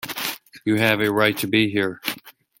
You have a right to be here.